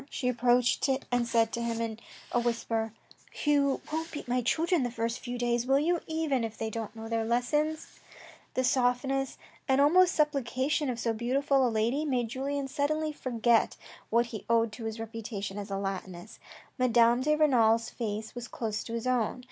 She approached and said to him in a whisper :" You won't beat my children the first few days, will you, even if they do not know their lessons ?" The softness and almost supplication of so beautiful a lady made Julien suddenly forget what he owed to his reputation as a Latinist. Madame de Renal's face was close to his own.